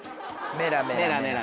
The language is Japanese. メラメラメラ。